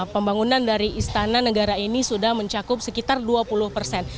pembangunan dari istana negara ini sudah mencakup sekitar dua puluh persen